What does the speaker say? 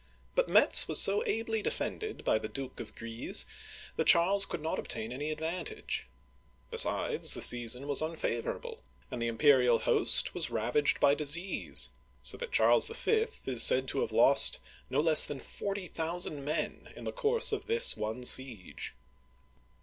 But Metz was so ably defended by the Duke of Guise that Charles could not obtain any ad vantage. Besides, the season was unfavorable, and the imperial host was ravaged by disease, so that Charles V. is said to have lost no less than forty thousand men in the course of this one siege.